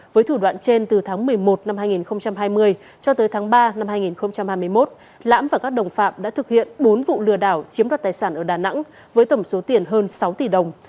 với thủ đoạn trên từ tháng một mươi một năm hai nghìn hai mươi cho tới tháng ba năm hai nghìn hai mươi một lãm và các đồng phạm đã thực hiện bốn vụ lừa đảo chiếm đoạt tài sản ở đà nẵng với tổng số tiền hơn sáu tỷ đồng